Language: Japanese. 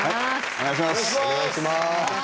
お願いします！